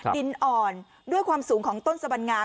ดินอ่อนด้วยความสูงของต้นสบัญงา